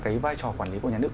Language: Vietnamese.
cái vai trò quản lý của nhà nước